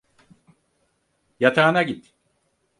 Yatağına git.